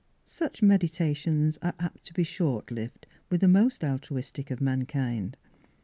Such meditations are apt to be short lived with the most altruistic of mankind.